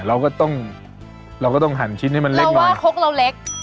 เราก็ต้องเราก็ต้องหั่นชิ้นให้มันเล็กเพราะว่าคกเราเล็ก